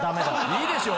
いいでしょ？